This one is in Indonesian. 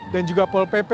dan juga pol pp